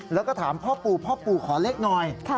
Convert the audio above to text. แล้วก็ถามพ่อปู่พ่อปู่ขอเลขหน่อย